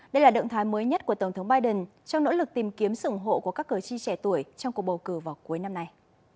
đây là động thái mới nhất của tổng thống biden trong nỗ lực tìm kiếm sự ủng hộ của các cử tri trẻ tuổi trong cuộc bầu cử vào cuối năm nay